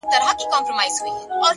نظم ګډوډي په توازن بدلوي!